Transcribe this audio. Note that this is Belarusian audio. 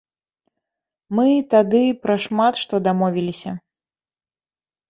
Мы тады пра шмат што дамовіліся.